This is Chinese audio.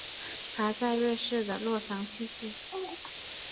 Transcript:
他在瑞士的洛桑去世。